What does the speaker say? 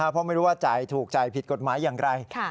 เพราะไม่รู้ว่าจ่ายถูกจ่ายผิดกฎหมายอย่างไร